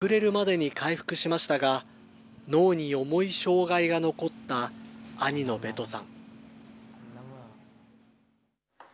ドクさんは日常生活を送れるまでに回復しましたが、脳に重い障害が残った兄のベトさん。